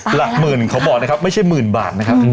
หลักหมื่นเขาบอกนะครับไม่ใช่หมื่นบาทนะครับ